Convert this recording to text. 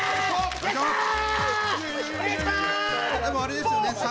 でもあれですよね